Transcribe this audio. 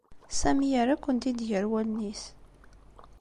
Sami yerra-kent-id gar wallen-is.